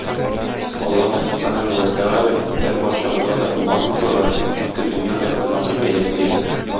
Аллаһы Сөбхәнәһү вә Тәгалә һәрбарчабызга да иман ныклыгы, ике дөнья бәхете насыйп әйләсен иде.